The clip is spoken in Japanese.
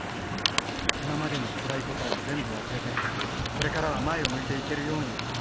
今までのつらいことは全部忘れてこれからは前を向いて行けるように。